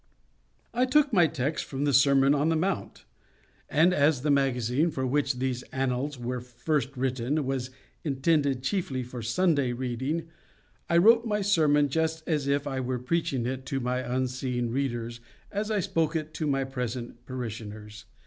I took my text from the Sermon on the Mount. And as the magazine for which these Annals were first written was intended chiefly for Sunday reading, I wrote my sermon just as if I were preaching it to my unseen readers as I spoke it to my present parishioners.